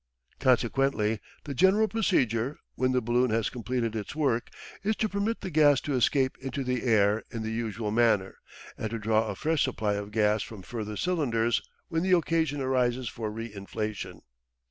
Consequently the general procedure, when the balloon has completed its work, is to permit the gas to escape into the air in the usual manner, and to draw a fresh supply of gas from further cylinders when the occasion arises for re inflation.